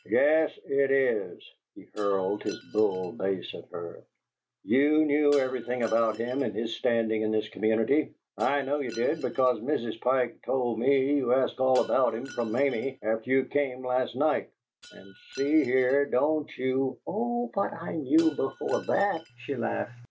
"Yes, it is!" He hurled his bull bass at her. "You knew everything about him and his standing in this community! I know you did, because Mrs. Pike told me you asked all about him from Mamie after you came last night, and, see here, don't you " "Oh, but I knew before that," she laughed.